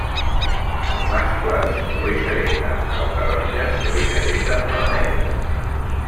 En mascles o bé s'hereta el taronja o bé s'hereta el negre.